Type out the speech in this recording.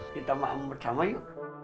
kita mampu bersama yuk